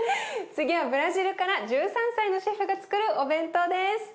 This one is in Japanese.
次はブラジルから１３歳のシェフがつくるお弁当です。